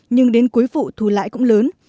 nhưng đến cuối vụ thu lãi cũng lớn